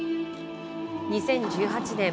２０１８年